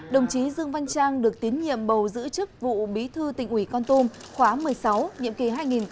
đồng chí dương văn trang được tiến nhiệm bầu giữ chức vụ bí thư tỉnh ủy con tum khóa một mươi sáu nhiệm kỳ hai nghìn hai mươi hai nghìn hai mươi năm